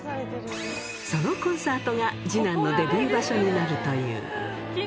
そのコンサートが、次男のデビュー場所になるという。